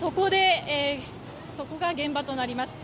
そこが現場となります。